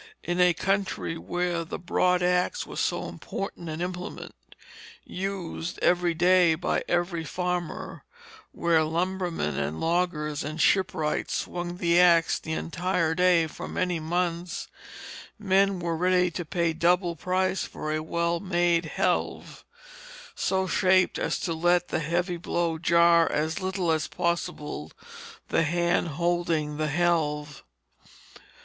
In a country where the broad axe was so important an implement used every day by every farmer; where lumbermen and loggers and shipwrights swung the axe the entire day for many months, men were ready to pay double price for a well made helve, so shaped as to let the heavy blow jar as little as possible the hand holding the helve.